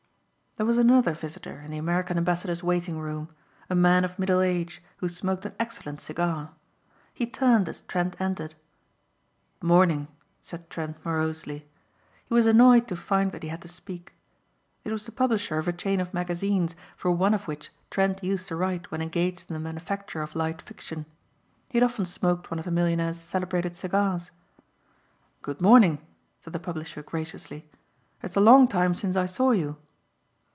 There was another visitor in the American ambassador's waiting room, a man of middle age who smoked an excellent cigar. He turned as Trent entered. "Morning," said Trent morosely. He was annoyed to find that he had to speak. It was the publisher of a chain of magazines for one of which Trent used to write when engaged in the manufacture of light fiction. He had often smoked one of the millionaire's celebrated cigars. "Good morning," said the publisher graciously. "It's a long time since I saw you."